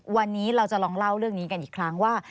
วันนี้เราจะลองเล่าเรื่องนี้กันอีกครั้งว่า